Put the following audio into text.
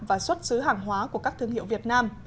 và xuất xứ hàng hóa của các thương hiệu việt nam